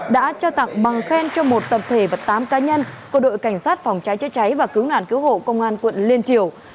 đã trao tặng bằng khen cho một tập thể và tám cá nhân của đội cảnh sát phòng cháy chữa cháy và cứu nạn cứu hộ công an quận liên triều